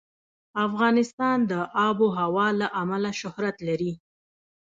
افغانستان د آب وهوا له امله شهرت لري.